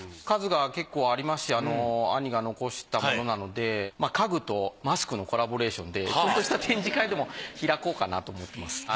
数が結構ありますし兄が遺したものなので家具とマスクのコラボレーションでちょっとした展示会でも開こうかなと思ってます。